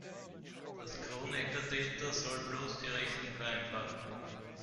Das Kronecker-Delta soll bloß die Rechnung vereinfachen.